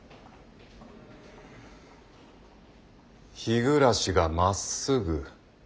日暮がまっすぐ？